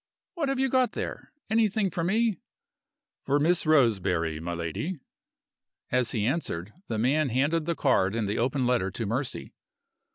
"What have you got there? Anything for me?" "For Miss Roseberry, my lady." As he answered, the man handed the card and the open letter to Mercy.